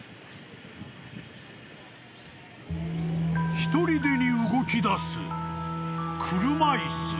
［ひとりでに動きだす車椅子］